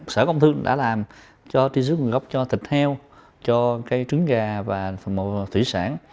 sở công thương đã làm cho tuyên sức nguồn gốc cho thịt heo cho cây trứng gà và phần mô thủy sản